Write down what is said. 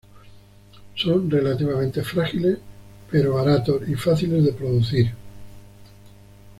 Son relativamente frágiles pero baratos y fáciles de producir.